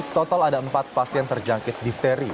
total ada empat pasien terjangkit difteri